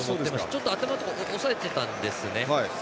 ちょっと頭とか押さえてたんですね。